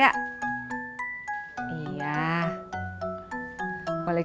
baru aja saya beli